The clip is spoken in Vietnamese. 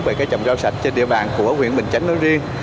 về cái chồng rau sạch trên địa bàn của huyện bình chánh nó riêng